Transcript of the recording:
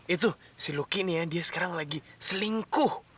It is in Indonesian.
itu si luki nih ya dia sekarang lagi selingkuh